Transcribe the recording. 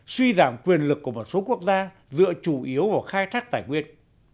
suy giảm quyền lực của một số quốc gia dựa chủ yếu vào khai thác tài nguyên